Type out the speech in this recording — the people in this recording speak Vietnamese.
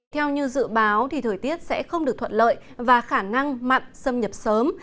theo như dự báo thì thời tiết sẽ không được thuận lợi và khả năng mặn xâm nhập sớm